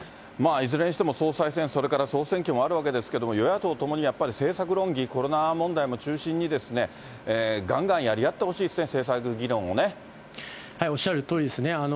いずれにしても総裁選、それから総選挙もあるわけですけれども、与野党ともに、やっぱり政策論議、コロナ問題も中心に、がんがんやり合ってほしいですね、おっしゃるとおりですね。